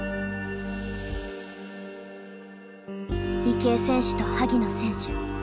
池江選手と萩野選手